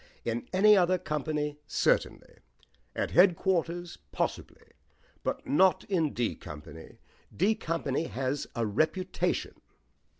In any other company, certainly; at headquarters, possibly; but not in D Company. D Company has a reputation."